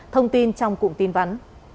thông tin trong cụm tin vắn